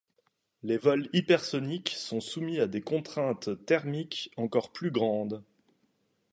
Les vols hypersoniques sont soumis à des contraintes thermiques encore plus grandes.